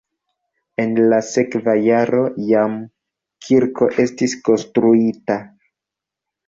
En la sekva jaro jam kirko estis konstruita.